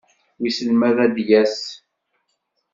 Wissen ma ad d-yas.